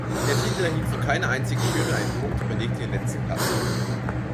Der Titel erhielt von keiner einzigen Jury einen Punkt und belegte den letzten Platz.